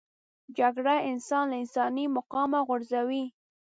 جګړه انسان له انساني مقامه غورځوي